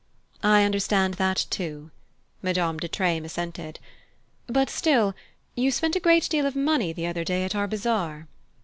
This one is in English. "I understand that too," Madame de Treymes assented. "But still you spent a great deal of money the other day at our bazaar."